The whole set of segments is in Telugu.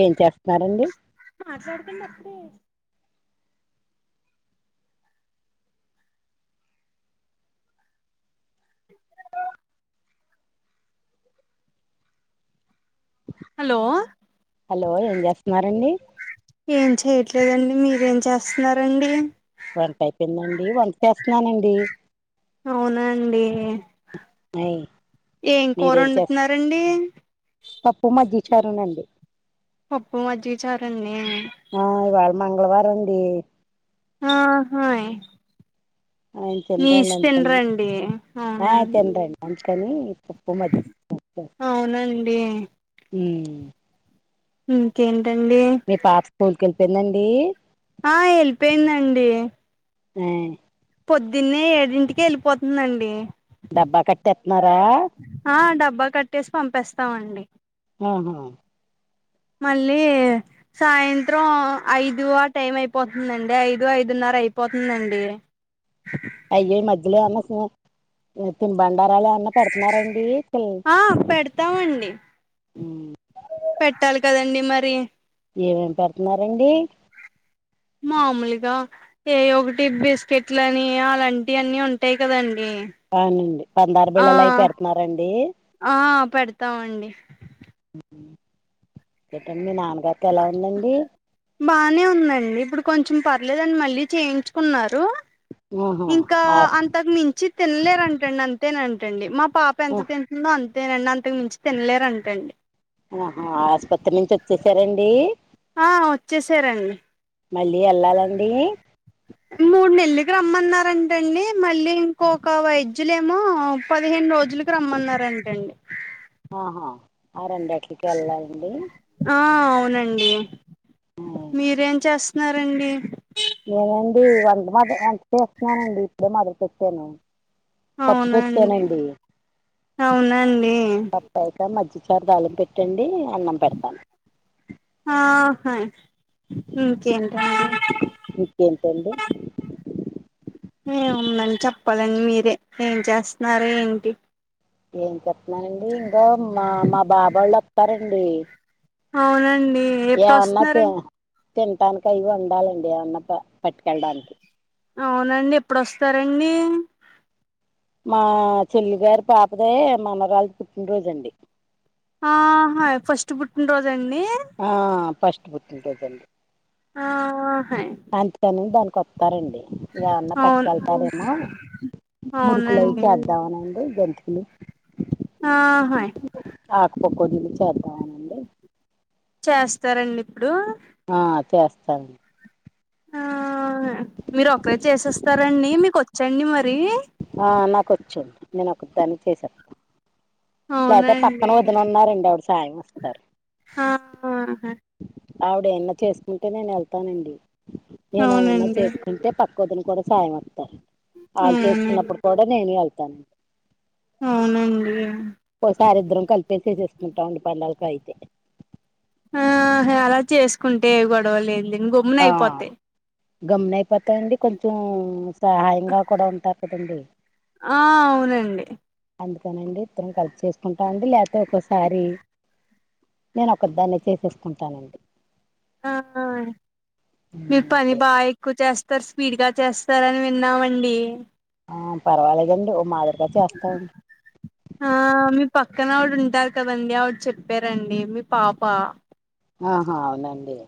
ఏం చేస్తున్నారండి మాట్లాడుతున్న అపుడే హలో హలో ఏం చేస్తున్నారండి ఏం చేయట్లేదండి మీరేం చేస్తున్నారండి వంట అయిపోయిందండి వంట చేస్తున్నానండి. అవునాండి. నయి. ఏం కూర వండుతున్నారండి. తప్పు మజ్జిగా చారునండి. పప్పు మజ్జిగ చారంన్నీ. ఆ ఇవాళ మంగళవారం అండి. ఆహయ్. ఆయన తినరండి అందుకని తినరండి ఆ అవునండి తినరండి అందుకని పప్పు మజ్జి. అవునండి. ఉ. ఇంకేంటండి. మీ పాప స్కూల్కి ఎల్లిపోయిందండి. ఆ ఏళ్ళిపోయిందండి. అయ్. పొద్దున్నే ఏడింటికే ఎళ్ళిపోతుందండి. డబ్బా కట్టేస్తున్నారా ఆ డబ్బా కట్టేసి పంపేస్తామండి. ఉహు. మళ్ళీ. సాయంత్రం ఐదు ఆ టైం అయిపోతుందండి ఐదు ఐదున్నర అయిపోతుందండి. స అయ్యో ఈ మధ్యలో ఆమెకు తినుబండారాలు ఏమన్నా పెడుతున్నారండి. పిల్ ఆ పెడతామండి. ఉ. పెట్టాలి కదండి మరి. ఏమేమి పెడుతున్నరండి. మామూలుగా. ఏయ్యో ఒకటి బిస్కెట్లని అలాంటి అన్ని ఉంటాయి కదండి. అవునండి పందారు ఆ బిళ్లలు అయి పెడుతున్నారండి. ఆ పెడతామండి. ఏటండి మీ నాన్నగారికి ఎలా ఉందండి. బానే ఉందండి ఇప్పుడు కొంచెం పర్లేదండి మళ్ళీ చేయించుకున్నారు. ఆహా ఇంకా అంతకు మించి తినలేరంటండి అంతేనంటండి మా పాప ఎంత తిన్. అంతేనండి అంతకు మించి తిన్లేరంట అండి. ఆహా ఆస్పత్రి నుంచి వచ్చేసారండి. ఆ వచ్చేసారండి. మళ్ళీ వెళ్ళాలండి. మూడు నెల్లకి రమ్మన్నారంటండి మళ్ళీ ఇంకొక వైద్యులేమో పదిహేను రోజులు. రమ్మన్నారంటండి. ఆహా ఆ రెండట్లకి వెళ్ళాలండి. ఆ అవునండి మీరేం చేస్తున్నారండి. నేనండి వంట మ వంట చేస్తున్నానండి ఇప్పుడే మొదలుపెట్టాను. పప్పు అవునండి పెట్టేనండి అవునండి పప్. రైతా మజ్జిగ చారు తాలింపు పెట్టండి అన్నం పెడతాను. ఆ హై ఇంకేంటండి. ఇకేంతండి ఏముందండి చెప్పాలండి మీరే ఏం చేస్తున్నార ఏంటి ఏం చెప్తున్నానండి ఇంకా మా మా బాబోళ్ళు వస్తారండి అవునండి ఎప్పుడు ఏమన్నా వస్తున్నారండి తినడానికి అవి వండాలండి ఏమన్నా పట్టుకెళ్ళడానికి అవునండి ఎప్పుడోస్తారండి మా చెల్లిగారి పాపదయే మనవరాలు పుట్టినరోజు అండి ఆహా ఫస్ట్ పుట్టినరోజండి ఆ ఫస్ట్ పుట్టినరోజండి ఆ బాగున్నాయి అంతేనే దానికి వస్తారండి ఎవన్నా అవును పట్టుకెళ్తారేమో మురుకులయి అవునండి చాలు ఇదవునండి జంతికలు ఆహ ఆకు పక్కడివి చద చేస్తారండి ఇప్పుడు ఆ చేస్తానుండి ఆ మీరు ఒకక్కరే చేసేస్తారండి మీకు వచ్చండి మరి ఆ నాకు వచ్చండి నేను ఒక దాన్ని చేశాను లేకపోతే అవునండి పక్కన వదునన్నారండి అవిడ సాయం వస్తారు ఆ ఆవిడ ఎన్నా చేసుకుంటే నేను వెళ్తానండి నేనున్నా అవునండి చేసుకు తంటే పక్క వదిని కూడా సాయం వస్తారు వాళ్ళు అవునండి చేసుకున్నప్పుడు కూడా నేను వెళ్తాను అవునండి ఒకసారిద్దరం కలిపేసేసుకుంటాండి పండగలకి అయితే ఆ అలా చేసుకుంటే గొడవలేదు ఆ గమున అయిపోతాండి కొంచెం సహాయంగా కూడా ఉంటారు కదండీ ఆ అవునండి అందుకనండి ఇద్దరం కలిసి చేసుకుంటా అండి లేకపోతే ఒక్కసారి నేను ఒక దాన్ని చేసేసుకుంటానండి ఆ మీరు పని బాగా ఎక్కువ చేస్తారు స్పీడ్ గా చేస్తారని విన్నామండి ఆ పర్వాలేదండి ఓ మాదిరిగా చేస్తాండి ఆ మీ పక్కన ఆవిడు ఉంటారు కదండి ఆవిడ చెప్పారండి మీ పాప ఆహా అవునండి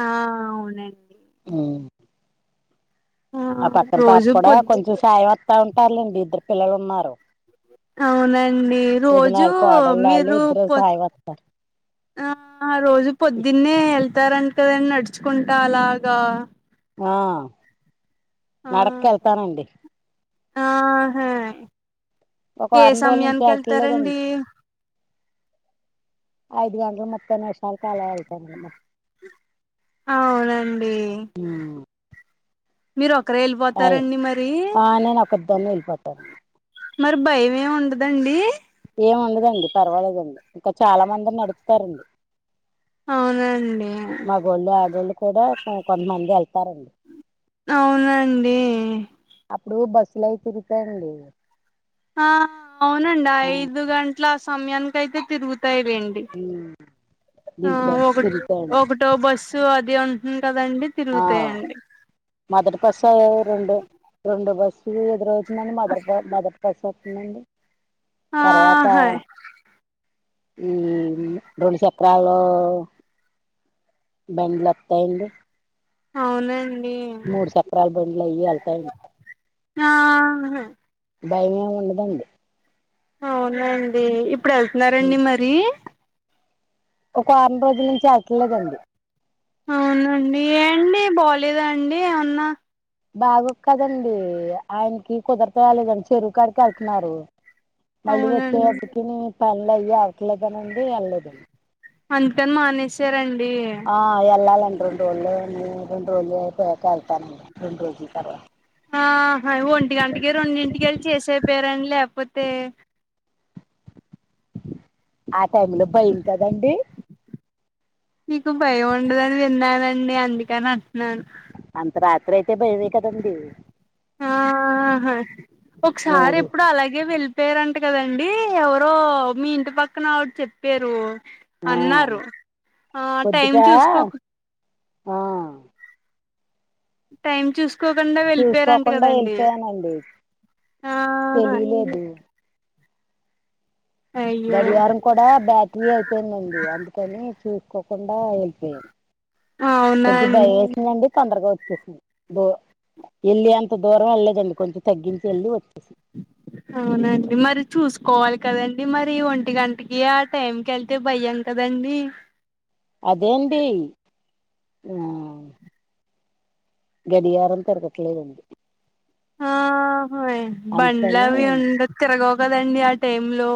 ఆ అవునండి ఆ ఆ పక్కన పాప రోజు కూడా పొద్దు కొంచెం సాయం వస్తా ఉంటారులేండి ఇద్దరు పిల్లలు ఉన్నారు అవునండి రోజూ వదినాలు కోడళ్ళు వాళ్ళు మీరు ఇద్దరు సాయం వస్తారు ఆ ఆ రోజు పొద్దున్నే వెళ్తారంట కదని నడుచుకుంటా అలాగా ఆ ఆ నడక్ వెళ్తానండి ఆహా ఒక ఏ వారం రోజుల నుంచి సమయానికి వెళ్ళట్లేదండి వెళ్తారండి ఐదు గంటలు ముప్పై నిమిషాల కాలా ఏళ్త నండి అవునండి మీరు ఒకరే అయి ఎళ్పోతారండి మరి? ఆ నేను ఒకదాన్ని వెళ్ళిపోతాను మరి భయం ఏమి ఉండదండి? ఏం ఉండదండి పర్వాలేదండి ఇంకా చాలా మంది నడుపుతారండి అవునండి మగోళ్ళు, ఆడోళ్ళు కూడా కొంతమంది వెళ్తారండి అవునండి అప్పుడు బస్సులు అయి తిరుగుతాయండి ఆ అవునండి ఆ ఐదు గంట్ల ఆ సమయానికి అయితే తిరుగుతాయిలే అండి ఉమ్ దీత్త తిరుగుతాయండి టో బస్సు అది ఉంటుంది కదండి ఆ తిరుగుతాయండి మొదటి బస్సు రెండో రెండు బస్సు ఎదురవుతుందని మొదటి మొదటి స్ ఒత్తందండి తర్వాత ఆహా ఉమ్ రెండు చక్రాలు బండ్లు వత్తాయండి అవునండి మూడు చక్రాల బండ్లు అయ్యి వెళ్తాయండ్ హా భయమే ఉండదండి అవునండి ఇప్పుడు వెళ్త్నారండి మరి ఒక వారం రోజుల నుంచి అవట్లేదండి అవునండి ఏండి బాలేదా అండి ఏమన్నా? బాగొద్ కదండి ఆయనకి కుదర్తలేదం చెరువుకాడికి వెళ్త్నారు మళ్ళీ అవునండి వచ్చేటప్పటికిని పనులు అయ్యి అవ్వట్లేదునిండి వెళ్ళేదు అదుకని మానేసారా అండి ఆ వెళ్ళాలండి రెండు రోజులు రెండు రోజులైతే వెళ్తానండి రెండు రోజుల తర్వాత ఆహ ఒంటి గంటికి రెండింటికెళ్ళి చేసేయిపోయారండి లేపోతే ఆ టైమ్ లో బైలు కదండి నీకు భయం ఉండదని విన్నానండి అందుకని అంట్నాను అంత రాత్రి అయితే భయమే కదండి ఆహా ఒకసారి మూడు ఎప్పుడు అలాగే వెళ్ పేరంట కదండి ఎవరో మీ ఇంటి పక్కన ఆవిడ్ చెప్పారు ఆ అన్నారు ఆ టైమ్ పొద్దుట చూసుకోక్ ఆ టైం చూస్కోకుండా వెళ్ళిపోయారంట చూసుకోకుండా కదండి వెళ్ళిపోయానండి ఆహ లేదు అయ్యో గడియారం కూడా బ్యాట్రీ ఐపోయిందండి అందుకని చూస్కోకుండా వెళ్పోయా అవునా కొంచెం భయం వేసిందండి తొందరగా వచ్చేసింది బో వెళ్ళి అంత దూరం వెళ్లేదండి కొంచెం తగ్గించి వెళ్లి వచ్చేసి అవునండి మరి చూసుకోవాలి కదండి మరి ఒంటి గంటకి ఆ టైం కి వెళ్ తే భయం కదండి అదేంటి ఊ గడియారం తిరగట్లేదండి ఆహ బండ్లు అందుకని అవి ఉండ తిరగవు కదండి ఆ టైమ్ లో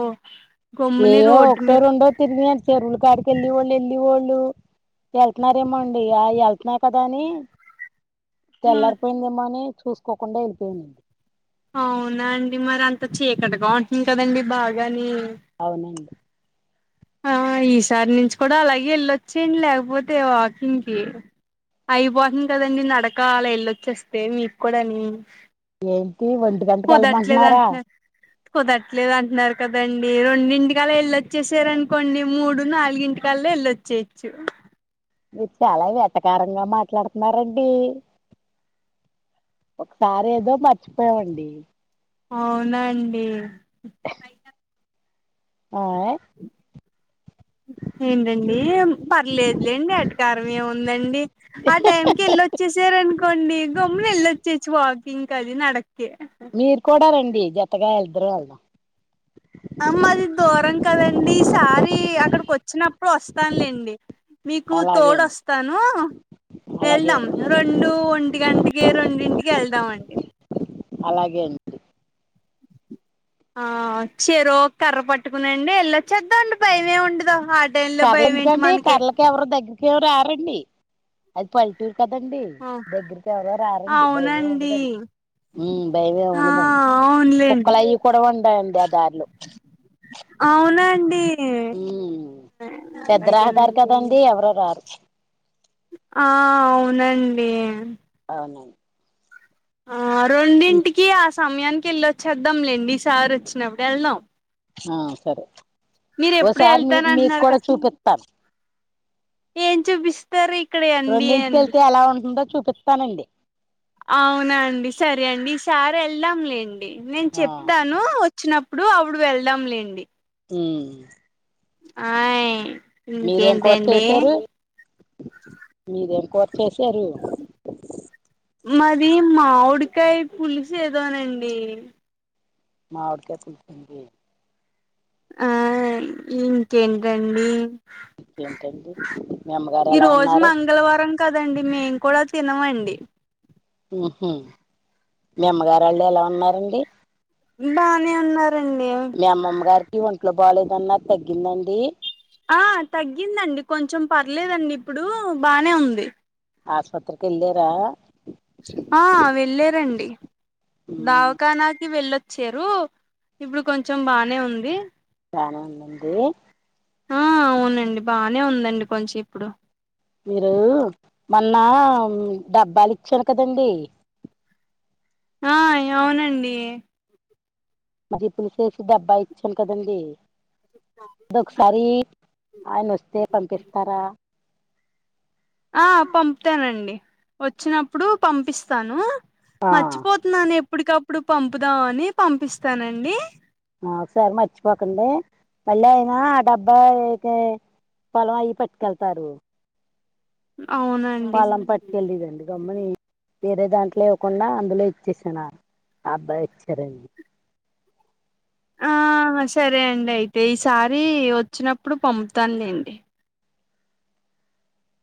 గమ్ముని ఏయ్యో రోడ్డు ఒకటో మీద రెండో తిరిగిన చెరువుల కాడికి వెళ్లి ఎళ్ళిఎళ్ళోళ్ళు వెళ్తున్నారేమోండి ఇగ వెళ్త్నా కదా అని తెల్లారిపోయిందేమో అని చూసుకోకుండా వెళ్ళిపోయానండి అవునా అండి మరి అంత చీకటిగా ఉంటుంది కదండి బాగాని అవునండి ఆ ఈసారి నుంచి కూడా అలాగే వెళ్ళొచ్చేయండి లేకపోతే వాకింగ్కి అయిపోతుంది కదండి నడకలా వెళ్ళొచ్చేస్తే మీకు కూడాని ఏంటి ఒంటికంటకి కుదట్లేదు వెళ్ళమంటున్నారా అంటున్నారు కుదట్లేదు అంటున్నారు కదండీ రెండింటికళ్ళ వెళ్లి వచ్చేసార కొండి మూడు నాలుగు ఇంటికల్లో వెళ్ళొచ్చేయచ్చు మీరు చాలా వెటకారంగా మాట్లాడుతున్నారు రండి ఒకసారి ఏదో మర్చిపోయావండి అవునా అండి ఆయ్ ఏంటండి పర్లేదులేండి వెటకారం ఏముందండి ఆ టైంకి ఎల్ వచ్చేసారనుకోండి గమ్ములుళ్లొచ్చేచ్చు వాకింగ్ అది నడకే మీరు కూడా రండి జత్తగా ఇద్దరం వెళ్దాం అ మాది దూరం కదండి ఈసారి అక్కడికి వచ్చినప్పుడు వస్తానులేండి మీకు అలాగే తోడు అండి వస్తాను అలాగే వెళ్దాం అండి రెండు ఒంటి గంటకి రెండింటికి వెళ్దాం అండి అలాగేండి ఆ చెరో కర్ర పట్టుకునేండి వెళ్లి వచ్చేద్దాం అండి భైమే ఉండదు హ డైన్ లో కర్రలు భయ ఏంటి ఎందుకండి మనకీ కర్రలకి ఎవరు దగ్గరకి ఎవరు రారండి అది పల్లెటూరు కదండి దగ్గరకి ఎవరో రారండి భయమే అవునండి ఉండదండి ఉమ్ భయమే ఆ ఉండదండి అవునులేండి కుక్కల అవి కూడా ఉండయండి ఆ దారిలో అవునా అండి ఉమ్ పెద్ద రహదారు అలాగేనండి కదండి ఎవరు రారు ఆ అవునండి అవును అండి ఆ రెండింటికి ఆ సమయానికి వెళ్ళి వచ్చేద్దాంలేండి ఈ సార్ వచ్చినప్పుడు వెళ్దాం ఆ సరే మీరు ఎప్పుడు ఓసారి మీ వెళ్తాన మీకు అంటున్నారు కూడా కదా చూపిత ఏం చూపిస్ రెండింటికెళ్తే ఎలా ఉంటుందో చూపిస్తానండి అవునా అండి సరే అండి ఈసారి వెళ్దాంలేండి నేను ఆ, చెప్తా ను వచ్చినప్పుడు అప్పుడు వెళ్దాం లేండి ఉమ్ ఆయి మీరేం కూర చేసారు మీరేం కూర చేసారు మాది మామిడికాయ పులుసు ఏదోనండి మామిడికాయ పులుసా అండి ఆయ్ ఇంకేంటండి ఏంటండి మీ అమ్మగారు ఈ ఎలా రోజు ఉన్నారు మంగళవారం కదండి మేము కూడా తినమండి ఊహూ మీ అమ్మగారు వాళ్ళు ఎలా ఉన్నారండి బానే ఉన్నారండి మీ అమ్మమ్మ గారికి ఒంట్లు బాలేదన్నారు తగ్గింద అండి ఆ తగ్గిందండి కొంచెం పర్లేదండి ఇప్పుడు బానే ఉంది ఆస్పత్రకి ఎల్లార ఆ వెళ్ళరండి ఉమ్ దావఖానాకి వెళ్ళొ చ్చరు ఇప్పుడు కొంచెం బానే ఉంది బానే ఉంద అండి ఆ అవునండి బానే ఉందండి కొంచెం ఇప్పుడు మీరు మొన్న డబ్బాలు ఇచ్చాను కదండీ ఆ అవునండి మరి పులిసేసి డబ్బా ఇచ్చాను కదండీ అది ఒకసారి ఆయన వస్తే పంపిస్తారా ఆ పంపుతానండి వచ్చినప్పుడు పంపిస్తాను ఆ మర్చిపోతున్నాను ఎప్పడికప్పుడు పంపుదాం అని పంపిస్తానండి ఆ సరి మర్చిపోకండి మళ్ళీ అయినా ఆ డబ్బా అయితే పలం అయి పెట్టుకెళ్తారు అవునా పలం పట్టుకెళ్ళిదండి గమ్మని వేరే దాంట్లో ఇవకుండా అందులో ఇచ్చేసాను ఆ అబ్బాయి వచ్చారని ఆ సరే అండి అయితే ఈసారి వచ్చినప్పుడు పంపుతానులేండి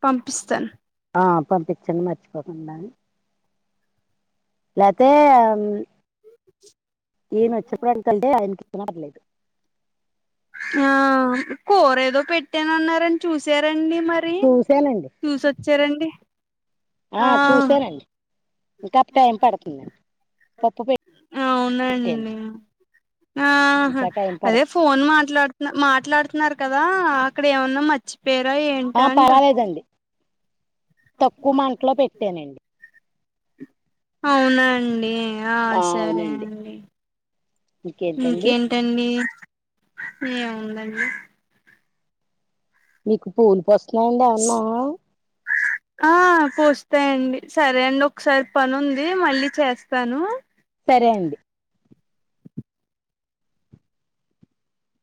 పంపిస్తాన్ ఆ పంపించండి మర్చిపోకుండా అని [unintelligible] ఆ కూర ఏదో పెట్టాన అన్నారని చూసారండి మరి చూశానండి చూసొచ్చారండి ఆ చూసానండి ఇంకా టైం పడుతుందండి పప్పు అవునండి పెట్టానండి ఆహ ఇంకా టైం అదే పడుతు ఫోన్ మాట్లాడుతు మాట్లాడుతున్నారు కదా అక్కడ ఏమన్నా మర్చిపోయారా ఏంట ఆ అని పర్వాలేదండి తక్కువ మంట్లో పెట్టానండి అవునా అండి ఆ సరే అండి ఇంకేంటండి ఇంకేం టండి ఏముందండి మీకు పూలు పూస్తున్నాయండి ఏమన్నా [inaudible] ఆ పూస్తాయండి సరే అండి ఒకసారి పని ఉంది మళ్ళీ చేస్తాను సరే అండి